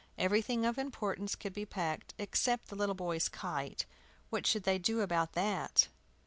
Everything of importance could be packed, except the little boys' kite. What should they do about that?